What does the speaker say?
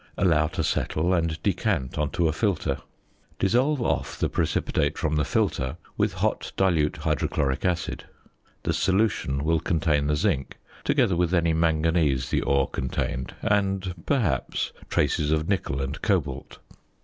Allow to settle and decant on to a filter. Dissolve off the precipitate from the filter with hot dilute hydrochloric acid. The solution will contain the zinc, together with any manganese the ore contained, and, perhaps, traces of nickel and cobalt.